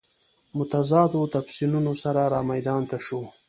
متضادو تفسیرونو سره رامیدان ته شو.